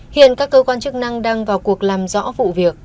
hiện các cơ quan chức năng đang vào cuộc làm rõ vụ việc